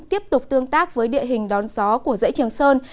tiếp tục tương tác với địa hình đón gió của dãy trường sơn